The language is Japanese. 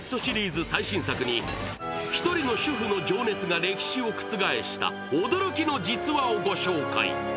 映画最新作に、１人の主婦の情熱が歴史を覆した驚きの実話をご紹介。